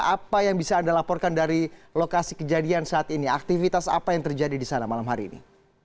apa yang bisa anda laporkan dari lokasi kejadian saat ini aktivitas apa yang terjadi di sana malam hari ini